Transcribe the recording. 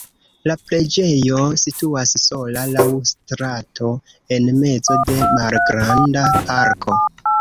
La preĝejo situas sola laŭ strato en mezo de malgranda parko.